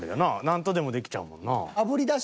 何とでもできちゃうもんな。